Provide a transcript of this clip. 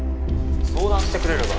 相談してくれれば。